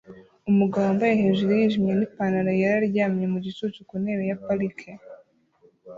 Umugabo wambaye hejuru yijimye n'ipantaro yera aryamye mu gicucu ku ntebe ya parike